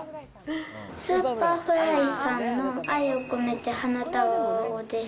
Ｓｕｐｅｒｆｌｙさんの愛をこめて花束をです。